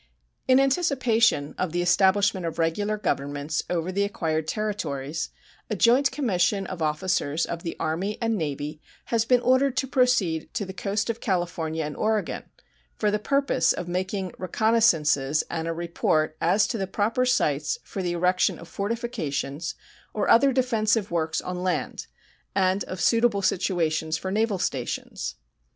In anticipation of the establishment of regular governments over the acquired territories, a joint commission of officers of the Army and Navy has been ordered to proceed to the coast of California and Oregon for the purpose of making reconnoissances and a report as to the proper sites for the erection of fortifications or other defensive works on land and of suitable situations for naval stations.